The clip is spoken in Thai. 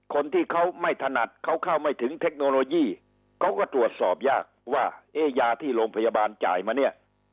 คนที่เขาไม่ถนัดเขาเข้าไม่ถึงเทคโนโลยีเขาก็ตรวจสอบยากว่าเอ๊ยาที่โรงพยาบาลจ่ายมาเนี่ย